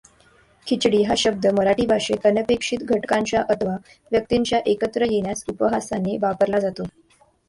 खिचडी हा शब्द मराठी भाषेत अनपेक्षित घटकांच्या अथवा व्यक्तींच्या एकत्र येण्यास उपहासाने वापरला जातो.